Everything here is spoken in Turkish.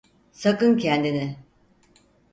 Sakın kendini!